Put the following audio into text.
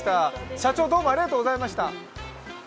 社長、どうもありがとうございました。